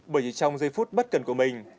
bởi vì trong giây phút bất cần của mình